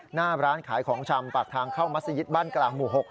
หน้าร้านขายของชำปากทางเข้ามัศยิตบ้านกลางหมู่๖